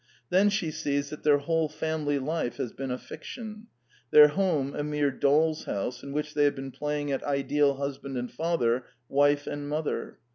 Then she sees that their whole family life has been a fiction: their home a mere doll's house in which they have been playing at ideal husband and father, wife and mother.